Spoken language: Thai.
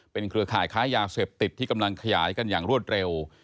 เครือข่ายค้ายาเสพติดที่กำลังขยายกันอย่างรวดเร็ว